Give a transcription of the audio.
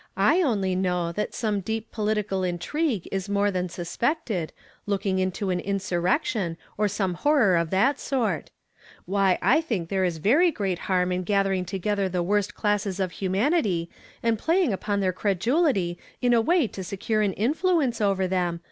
I only know that some deep political intrigue is more than suspected, looking to an insurrection, or some horror of that sort. Why, I think there is very great harm in gathering together the woi st classes of humanity, and playing upon their credulity in a way to secure an intluence over 126 YESTERDAY EIIAMEI) IN TO DAV.